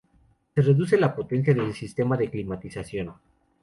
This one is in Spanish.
Se reduce la potencia del sistema de climatización.